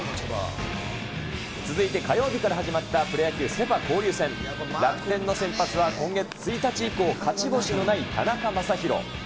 続いて火曜日から始まったプロ野球セパ交流戦、楽天の先発は今月１日以降、勝ち星のない田中将大。